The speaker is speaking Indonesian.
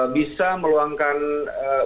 bisa meluangkan usaha lebih banyak